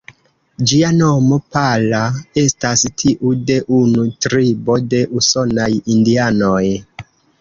Ĝia nomo ""Pala"", estas tiu de unu tribo de usonaj indianoj.